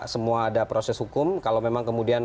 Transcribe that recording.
semua ada proses hukum kalau memang kemudian